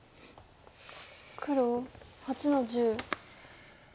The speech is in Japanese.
黒８の十。